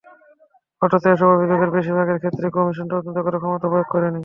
অথচ এসব অভিযোগের বেশির ভাগের ক্ষেত্রেই কমিশন তদন্ত করার ক্ষমতা প্রয়োগ করেনি।